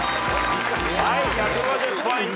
はい１５０ポイント